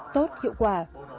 tốt hiệu quả